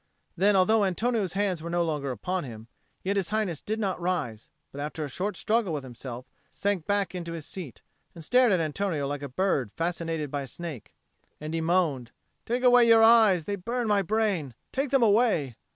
Then, although Antonio's hands were no longer upon him, yet His Highness did not rise, but after a short struggle with himself sank back in his seat, and stared at Antonio like a bird fascinated by a snake. And he moaned, "Take away your eyes; they burn my brain. Take them away."